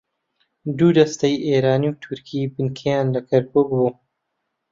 دوو دەستەی ئێرانی و تورکی بنکەیان لە کەرکووک بوو